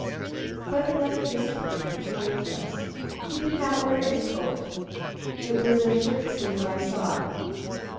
But another disappointment awaited us. "He did not wear any coat. It was a shirt sleeve I saw."